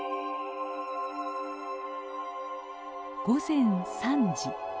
午前３時。